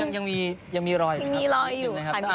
ยังมีรอยอยู่คั่น